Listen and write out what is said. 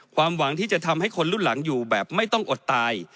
ความหวังที่จะทำให้คนรุ่นหลังอยู่แบบไม่ต้องอดตาย